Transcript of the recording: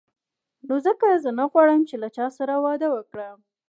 نو ځکه زه نه غواړم چې له چا سره واده وکړم.